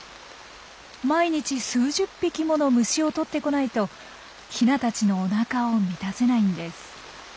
毎日数十匹もの虫をとってこないとヒナたちのおなかを満たせないんです。